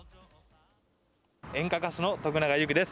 演歌歌手の徳永ゆうきです。